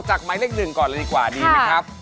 จากไม้เลขหนึ่งก่อนเลยดีกว่าดีไหมครับค่ะ